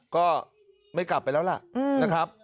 ก็ไม่กลับไปแล้วล่ะนะครับ